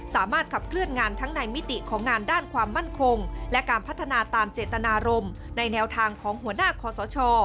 สามารถขับเคลื่อนงานทั้งในมิติของงานด้านความมั่นคงและการพัฒนาตามเจตนารมณ์ในแนวทางของหัวหน้าคอสช